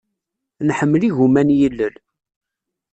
Nḥemmel igumma n yilel.